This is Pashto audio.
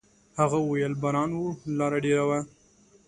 هغه وويل: «باران و، لاره ډېره وه.»